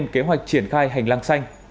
kế hoạch triển khai hành lang xanh